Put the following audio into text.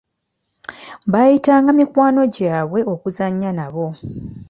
Baayita nga mikwano gy'abwe okuzannya nabo.